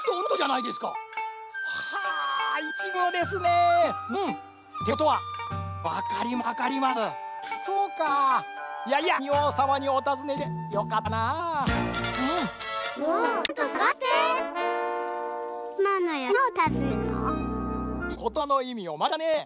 いやいや仁王さまにおたずねしてよかったなあ。